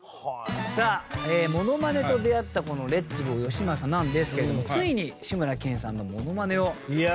さあモノマネと出会ったレッツゴーよしまさなんですけれどもついに志村けんさんのモノマネを始めます。